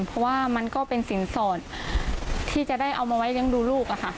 เพราะว่ามันก็เป็นสินสอดที่จะได้เอามาไว้เลี้ยงดูลูก